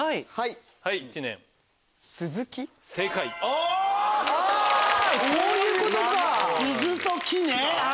あぁそういうことか。